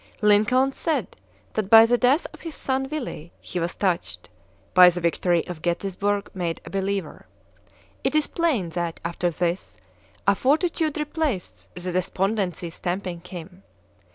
Lincoln said that by the death of his son Willie he was touched; by the victory of Gettysburg made a believer. It is plain that, after this, a fortitude replaced the despondency stamping him.